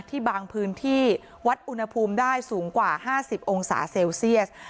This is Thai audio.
บางพื้นที่วัดอุณหภูมิได้สูงกว่า๕๐องศาเซลเซียส